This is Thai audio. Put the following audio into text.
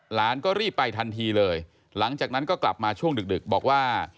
หลานก็รีบไปทันทีเลยหลังจากนั้นก็กลับมาช่วงดึกบอกว่า